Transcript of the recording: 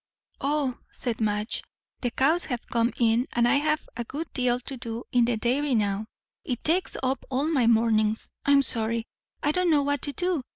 "O," said Madge, "the cows have come in, and I have a good deal to do in the dairy now; it takes up all my mornings. I'm so sorry, I don't know what to do!